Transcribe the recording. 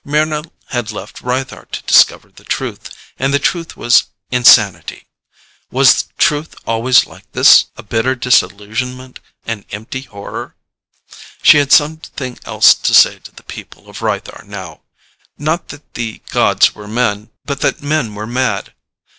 Mryna had left Rythar to discover the truth, and the truth was insanity. Was truth always like this a bitter disillusionment, an empty horror? She had something else to say to the people of Rythar now: not that the gods were men, but that men were mad.